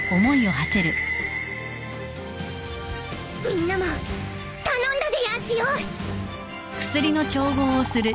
みんなも頼んだでやんすよぐぬぬぬ。